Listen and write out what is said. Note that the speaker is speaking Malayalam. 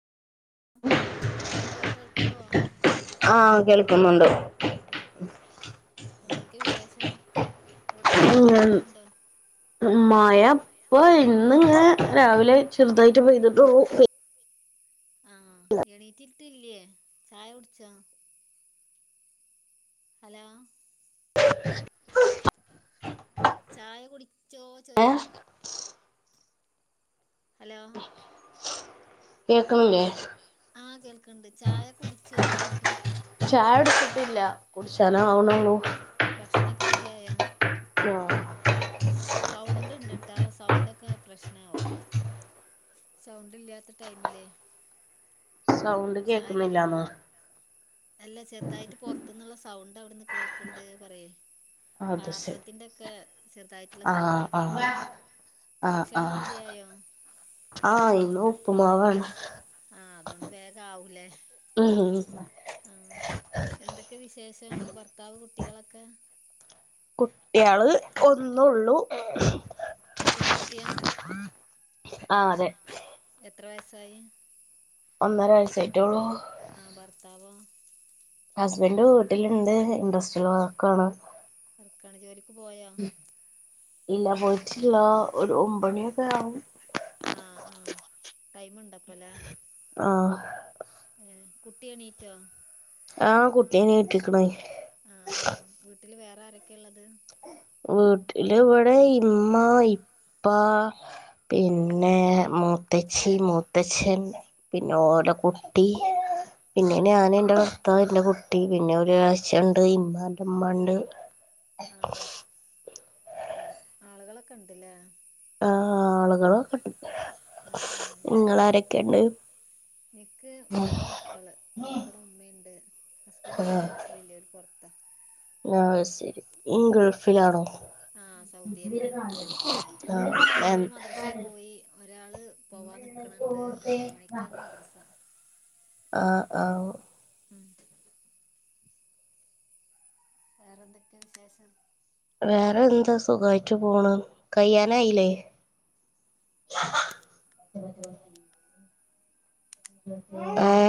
ഹലോ കേൾക്കാവോ ആഹ് കേൾക്കുന്നുണ്ട് കേൾക്കുന്നുണ്ട് എന്തൊക്കെ വിശേഷം അവിടെ നാട്ടില് മഴ ഉണ്ടോ ഉം മായ ഇപ്പൊ ഇന്ന് ഇങ്ങെ രാവിലെ ചെറുതായിട്ട് പെയ്തിട്ടൂ ആഹ് എണീറ്റട്ടില്ലേ ചായ കുടിച്ചോ ഹലോ [inaudible] ചായ കുടിച്ചോ പിന്നെ ചോയ്ക്കോ ഹലോ കേക്കണില്ലേ ഹല ആഹ് കേൾക്കണ്ട് ചായൊക്കെ കുടിച്ചോ ചോദിക്കോ ചായ കുടിച്ചിട്ടില്ല കുടിച്ചാന് ആവണള്ളൂ ഭക്ഷണക്കെ റെഡിയായോ ആഹ് സൗണ്ട് ഉണ്ട്ട്ടാ സൗണ്ടൊക്കെ പ്രശ്നമാവും സൗണ്ടല്ലാത്ത ടൈമിലേ സൗണ്ട് ചായ കേക്കുന്നില്ലന്നോ അല്ല ചെറുതായിട്ട് പുറത്തുന്നുള്ള സൗണ്ട് അവിടെന്ന് കേൾക്കണ്ട് പറയേ അത് ശരി പാത്രത്തിന്റെ ഒക്കെ ചെറുതായിട്ടുള്ള ആഹ് സൗണ്ട് ആഹ് ആഹ് ഭക്ഷണം ആഹ് റെഡിയായോ? ആഹ് ഇന്ന് ഉപ്പുമാവാണ് ആഹ് അതുകൊണ്ട് വേഗം ആവൂലേ ഉം ആഹ് എന്തൊക്കെ വിശേഷം ഭർത്താവ് കുട്ടികളൊക്കെ കുട്ട്യാൾ ഒന്നെള്ളൂ ചെറിയ കുട്ടിയ ആഹ് അതെ എത്ര വയസായി? ഒന്നര വയസ്സായിട്ടോള്ളൂ ആ ഭർത്താവോ? ഹസ്ബൻഡ് വീട്ടിലുണ്ട് ഇൻഡസ്ട്രിയൽ വർക്കാണ് വർക്ക്‌ ആണ് ജോലി ക്ക് പോയോ? ഇല്ല പോയിട്ടില്ല ഒരു ഒമ്പേണി ഒക്കെ ആവും. ആ ആ ടൈമുണ്ട് അപ്പൊ ലെ ആഹ്. ഏഹ് കുട്ടി എണീറ്റോ ആഹ് കുട്ടി എണീറ്റ് ക്കണേ ആ ആ വീട്ടില് വേറെ ആരൊക്കെയ ഉള്ളത് വീട്ടില ഇവിടെ ഇമ്മ ഇപ്പാ പിന്നെ മൂത്തച്ചി മൂത്തച്ചൻ പിന്നെ ഓല ഏഹ് കുട്ടി പിന്നെ ആഹ് ആഹ് ഞാൻന്റെ ഭർത്താവ് എന്റെ കുട്ടി പിന്നെ ഒരു എളേച്ഛൻണ്ട് ഇമ്മന്റെ മ്മണ്ട്. ആഹ് [inaudible] ആളുകൾ ഒക്കെ ഉണ്ടുലെ ആ ആളുകളൊക്കെണ്ട് ആഹ് നിങ്ങാരൊക്കെയുണ്ട്? എനിക്ക് മൂന്ന് മക്കള്. പിന്നെ ഇവിടെ ഉമ്മണ്ട് ഹസ്ബന്റ ഇവിടെ നാട്ടിലില്ലഓല് പുറത്ത പുറത്ത ആ ശരി ഗൾഫിലാണോ? ആഹ് സൗദിയിലാണ് മക്കള് രണ്ടാള് ആഹ് മദ്രസൽ പോയി ഒരാള് പോവാ നിക്കണണ്ട് എട്ട് മണിക്കാണ് മദ്രസ ആഹ് ആഹ് മ് വേറെ എന്തൊക്കെ വിശേഷം? വേറെ എന്താ സുഖമായിട്ടു പോണ് ആ കയ്യാനായില്ലേ ഉ ആഹ്